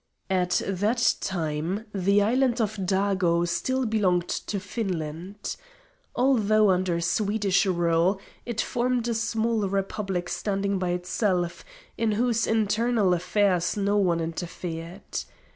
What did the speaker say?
At that time the island of Dago still belonged to Finland. Although under Swedish rule, it formed a small republic standing by itself, in whose internal affairs no one interfered.